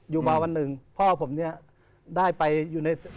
อยู่มาวันหนึ่งพ่อผมเนี่ยได้ไปอยู่ใน